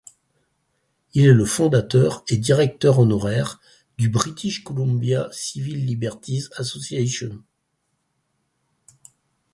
Il est le fondateur et directeur honoraire du British Columbia Civil Liberties Association.